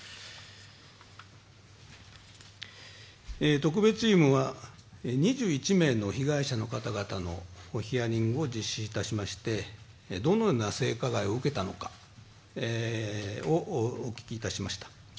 特別チームは２１名の被害者の方々のヒアリングを実施いたしましてどのような性加害を受けたのかをお聞きいたしました。